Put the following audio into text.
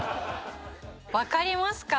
「わかりますか？」